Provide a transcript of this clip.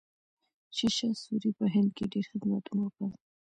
شیرشاه سوري په هند کې ډېر خدمتونه وکړل.